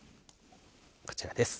こちらです。